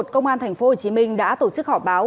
công an tp hcm đã tổ chức họ báo